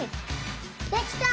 できた！